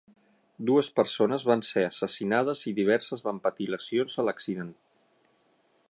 Dues persones van ser assassinades i diverses van patir lesions a l'accident.